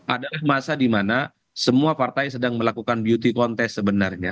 adalah masa di mana semua partai sedang melakukan beauty contest sebenarnya